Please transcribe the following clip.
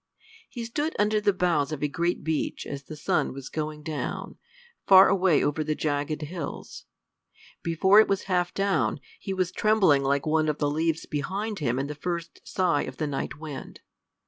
He stood under the boughs of a great beech as the sun was going down, far away over the jagged hills: before it was half down, he was trembling like one of the leaves behind him in the first sigh of the night wind.